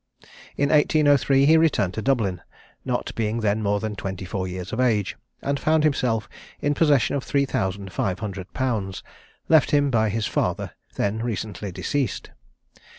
In 1803 he returned to Dublin, not being then more than twenty four years of age, and found himself in possession of three thousand five hundred pounds, left him by his father, then recently deceased.